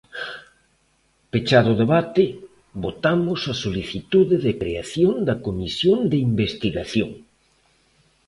Pechado o debate, votamos a solicitude de creación da comisión de investigación.